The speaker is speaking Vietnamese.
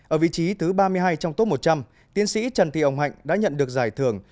ở vị trí thứ ba mươi hai trong top một trăm linh tiến sĩ trần thị ông hạnh đã nhận được giải thưởng